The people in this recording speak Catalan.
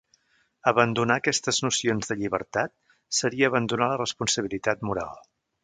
Abandonar aquestes nocions de llibertat seria abandonar la responsabilitat moral.